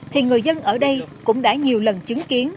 thì người dân ở đây cũng đã nhiều lần chứng kiến